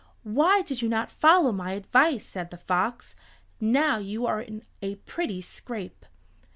"Why did you not follow my advice?" said the fox. "Now you are in a pretty scrape.